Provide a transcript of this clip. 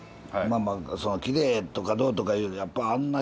まあまあきれいとかどうとか言うよりやっぱあんな